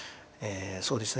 そうですね